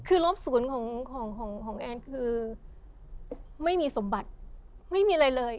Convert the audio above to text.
คือลบศูนย์ของแอนคือไม่มีสมบัติไม่มีอะไรเลย